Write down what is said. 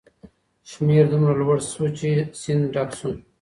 شمیر دومره لوړ شو چې سیند ډک شو.